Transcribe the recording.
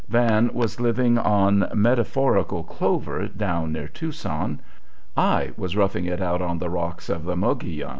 Van was living on metaphorical clover down near Tucson; I was roughing it out on the rocks of the Mogollon.